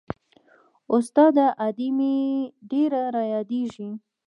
استاده ادې مې ډېره رايادېږي.